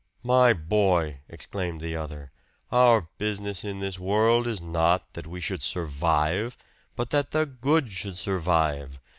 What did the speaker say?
"My boy!" exclaimed the other. "Our business in this world is not that we should survive, but that the good should survive.